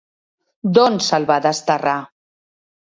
D'on se'l va desterrar?